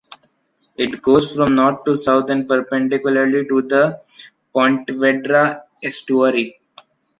It goes from North to South and perpendicularly to the Pontevedra estuary.